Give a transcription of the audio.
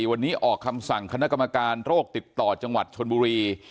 วันนี้ออกคำสั่งคณะกรรมการโรคติดต่อจังหวัดชนบุรี